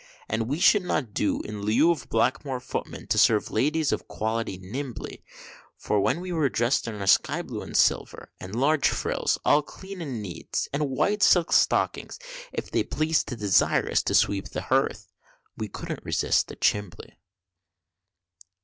And we should not do, in lieu of black a moor footmen, to serve ladies of quality nimbly, For when we were drest in our sky blue and silver, and large frills, all clean and neat, and white silk stockings, if they pleased to desire us to sweep the hearth, we couldn't resist the chimbley.